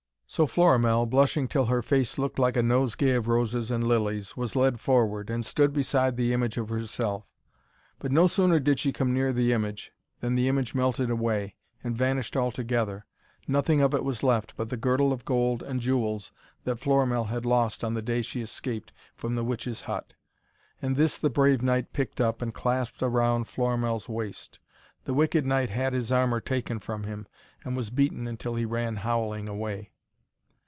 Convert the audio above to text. So Florimell, blushing till her face looked like a nosegay of roses and lilies, was led forward, and stood beside the image of herself. But no sooner did she come near the image, than the image melted away, and vanished altogether. Nothing of it was left but the girdle of gold and jewels that Florimell had lost on the day she escaped from the witch's hut. And this the brave knight picked up, and clasped round Florimell's waist. The wicked knight had his armour taken from him, and was beaten until he ran howling away.